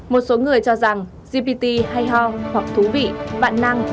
một số người cho rằng gpt hay ho hoặc thú vị bạn năng